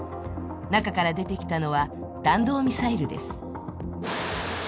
中から出てきたのは弾道ミサイルです。